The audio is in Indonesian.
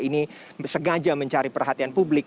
ini sengaja mencari perhatian publik